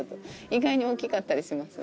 意外に大きかったりします？